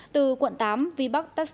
từ quận tám vi bắt tắt xe